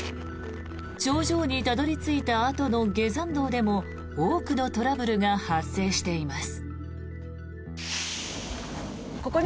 頂上にたどり着いたあとの下山道でも多くのトラブルが発生しています。